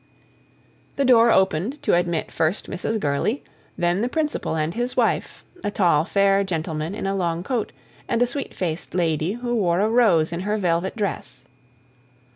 The door opened to admit first Mrs. Gurley, then the Principal and his wife a tall, fair gentleman in a long coat, and a sweet faced lady, who wore a rose in her velvet dress.